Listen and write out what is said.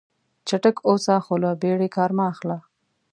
چټک اوسه خو له بیړې کار مه اخله.